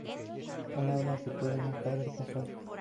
Un arma que puede matar el pasado.